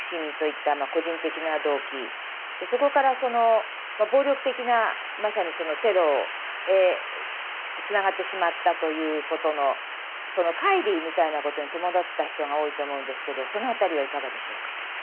そこからその暴力的なまさにそのテロへつながってしまったということのそのかい離みたいなことに戸惑った人が多いと思うんですけどそのあたりはいかがでしょうか？